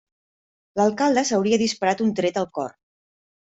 L'alcalde s'hauria disparat un tret al cor.